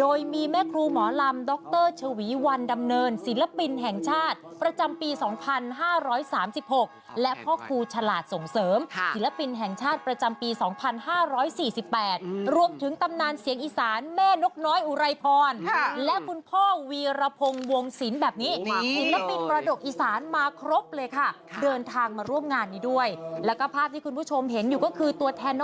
โดยมีแม่ครูหมอลำดรชวีวันดำเนินศิลปินแห่งชาติประจำปี๒๕๓๖และพ่อครูฉลาดส่งเสริมศิลปินแห่งชาติประจำปี๒๕๔๘รวมถึงตำนานเสียงอีสานแม่นกน้อยอุไรพรและคุณพ่อวีรพงศ์วงศิลป์แบบนี้ศิลปินมรดกอีสานมาครบเลยค่ะเดินทางมาร่วมงานนี้ด้วยแล้วก็ภาพที่คุณผู้ชมเห็นอยู่ก็คือตัวแทน